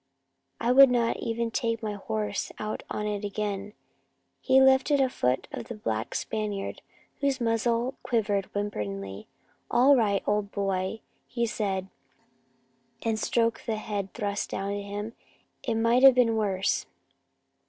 I would not even take my horse out on it again." He lifted a foot of the black Spaniard, whose muzzle quivered whimperingly. "All right, old boy!" he said, and stroked the head thrust down to him. "It might have been worse."